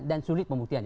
dan sulit pembuktian